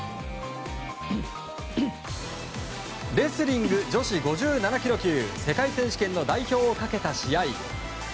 レスリング女子５７ｋｇ級世界選手権の代表をかけた試合。